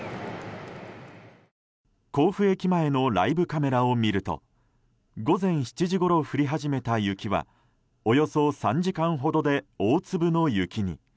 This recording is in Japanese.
甲府駅前のライブカメラを見ると午前７時ごろ降り始めた雪はおよそ３時間ほどで大粒の雪に。